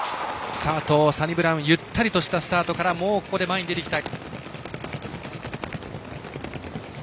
スタート、サニブラウン、ゆったりとしたスタートから、もう、ここで前に出てきた。